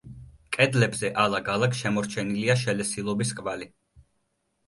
კედლებზე ალაგ–ალაგ შემორჩენილია შელესილობის კვალი.